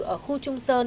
ở khu trung sơn